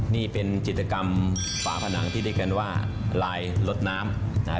นี่เป็นจิตกรรมฝาผนังที่ได้การว่ารายลดน้ำ